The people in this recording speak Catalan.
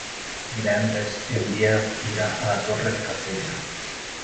Dimecres en Biel irà a la Torre de Cabdella.